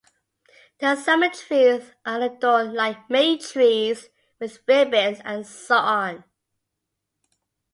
The Summer-trees are adorned like May-trees with ribbons and so on.